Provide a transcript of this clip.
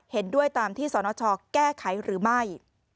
เห็นด้วยตามที่สนชแก้ไขหรือไม่